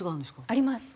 あります。